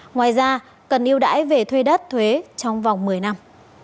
ngoài ra cần yêu đãi về thuê đất thuế trong vòng một mươi năm